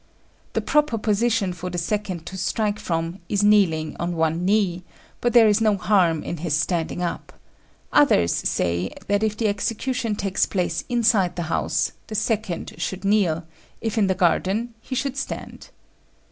The proper position for the second to strike from is kneeling on one knee, but there is no harm in his standing up: others say that, if the execution takes place inside the house, the second should kneel; if in the garden, he should stand.